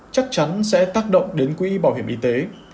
chắc chắn sẽ tác động đến quỹ bảo hiểm y tế